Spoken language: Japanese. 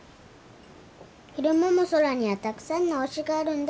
昼間も空にはたくさんの星があるんだ。